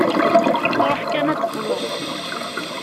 Truḥ kan ad d-teqḍu.